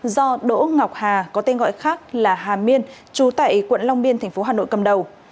do đỗ ngọc hà có tên gọi khác là hà miên trú tại quận long biên tp hà nội cầm đầu